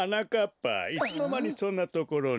ぱいつのまにそんなところに？